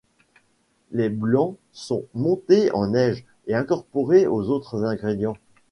Les blancs sont montés en neige et incorporés aux autres ingrédients.